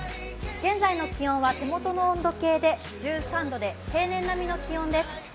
現在の気温は手元の温度計で１３度で平年並みの気温です。